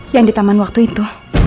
yang di taman waktu itu